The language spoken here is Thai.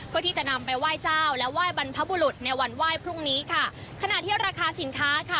เพื่อที่จะนำไปไหว้เจ้าและไหว้บรรพบุรุษในวันไหว้พรุ่งนี้ค่ะขณะที่ราคาสินค้าค่ะ